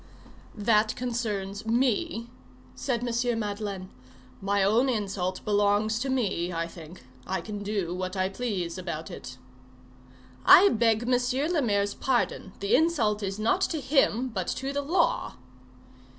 "That concerns me," said M. Madeleine. "My own insult belongs to me, I think. I can do what I please about it." "I beg Monsieur le Maire's pardon. The insult is not to him but to the law."